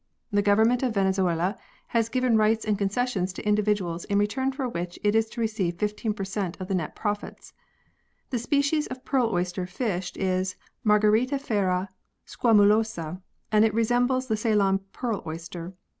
The Government of Venezuela has given rights and concessions to individuals in return for which it is to receive 15 per cent, of the net profits. The species of pearl oyster fished is Margaritifera squamulosa, and it resembles the Ceylon pearl oyster.